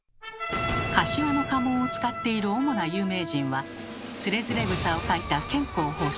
柏の家紋を使っている主な有名人は「徒然草」を書いた兼好法師。